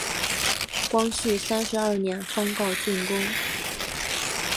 光绪三十二年方告竣工。